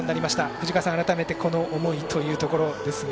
藤川さん、改めてこの思いというところですが。